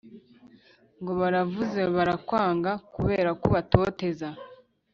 Ngo baravuze barakwanga kuberako ubatoteza